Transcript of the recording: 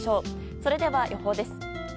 それでは予報です。